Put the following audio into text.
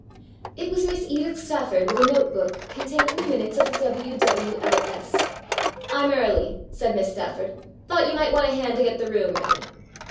It was Miss Edith Stafford with a note book containing the minutes of the W.W.L.S. " I'm early," said Miss Stafford. " Thought you might want a hand to get the room ready."